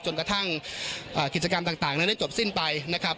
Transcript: จนกระทั่งกิจกรรมต่างนั้นได้จบสิ้นไปนะครับ